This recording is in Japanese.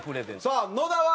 さあ野田は？